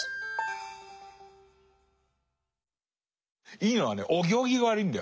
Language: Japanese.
いいのはねお行儀が悪いんだよ。